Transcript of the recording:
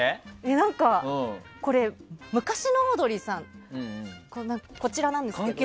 昔のオードリーさんこちらなんですけど。